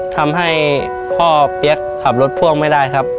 ทำให้พ่อเปี๊ยกขับรถพ่วงไม่ได้ครับ